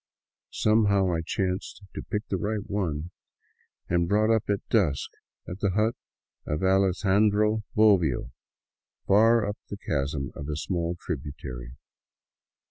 Some how I chanced to pick the right one and brought up at dusk at the hut of Alexandro Bobbio, far up the chasm of a small tributary.